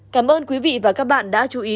cảm ơn quý vị và các bạn đã chú ý